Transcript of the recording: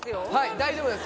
大丈夫です。